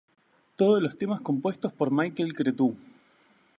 Todos los temas compuestos por Michael Cretu